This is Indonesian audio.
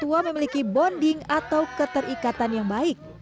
tua memiliki bonding atau keterikatan yang baik